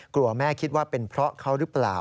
กลัวแม่คิดว่าเป็นเพราะเขาหรือเปล่า